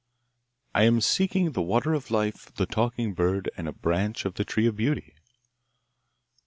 'I am seeking the water of life, the talking bird, and a branch of the tree of beauty.